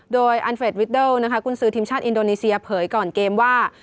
โดยอันเฟรดวิดเดิลนะคะกุญสือทีมชาติอินโดนีเซียเผยก่อนเกมว่า